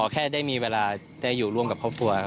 แค่ได้มีเวลาได้อยู่ร่วมกับครอบครัวครับ